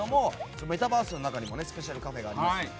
メタバースの中にもスペシャルカフェがあるので。